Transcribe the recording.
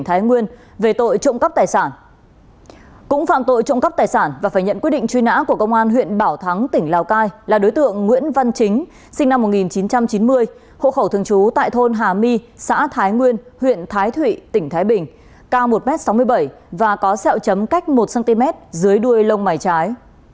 hộ khẩu thường chú tại thôn hà my xã thái nguyên huyện thái thụy tỉnh thái bình cao một m sáu mươi bảy và có sẹo chấm cách một cm dưới đuôi lông mày trái